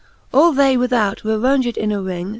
All they without were raunged in ^ ring.